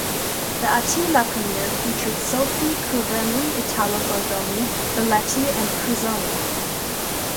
The "Attila" premiere featured Sophie Cruvelli, Italo Gardoni, Velletti, and Cruzzoni.